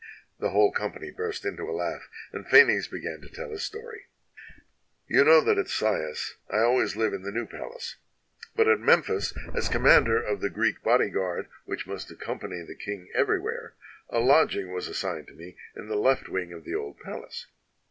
The whole company burst into a laugh, and Phanes began to tell his story :— "You know that at Sais I always Hve in the new palace; but at Memphis, as commander of the Greek body guard which must accompany the king every where, a lodging was assigned me in the left wing of the old Palace.